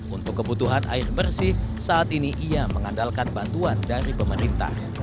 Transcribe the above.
untuk kebutuhan air bersih saat ini ia mengandalkan bantuan dari pemerintah